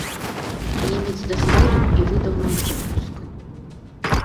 Немец дазволіў і выдаў нам пропуск.